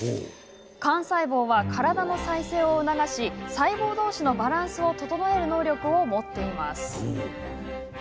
幹細胞は体の再生を促し細胞どうしのバランスを整える能力を持っています。